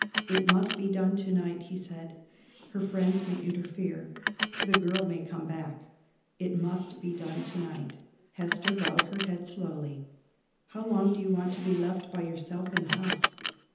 "It must be done to night," he said. "Her friends may interfere; the girl may come back. It must be done to night." Hester bowed her head slowly. "How long do you want to be left by yourself in the house?"